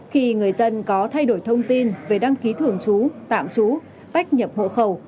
khi người dân có thay đổi thông tin về đăng ký thường chú tạm chú tách nhập hộ khẩu